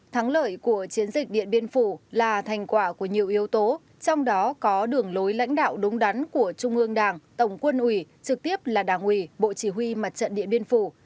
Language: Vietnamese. thắng lợi của chiến dịch điện biên phủ là thành quả của nhiều yếu tố trong đó có đường lối lãnh đạo đúng đắn của trung ương đảng tổng quân ủy trực tiếp là đảng ủy bộ chỉ huy mặt trận điện biên phủ